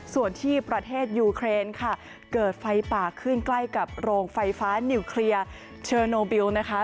ส่วนที่ประเทศยูเครนค่ะเกิดไฟป่าขึ้นใกล้กับโรงไฟฟ้านิวเคลียร์เชอร์โนบิลนะคะ